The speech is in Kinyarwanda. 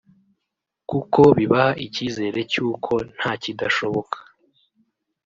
kuko bibaha icyizere cy’uko nta kidashoboka